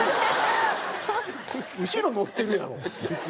後ろ乗ってるやろ普通。